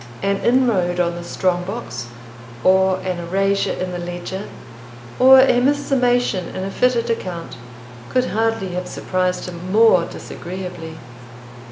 An inroad on the strong box, or an erasure in the ledger, or a mis summation in a fitted account, could hardly have surprised him more disagreeably.